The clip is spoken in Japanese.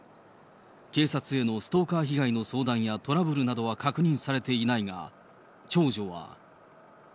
警察へのストーカー被害の相談やトラブルなどは確認されていないが、長女は。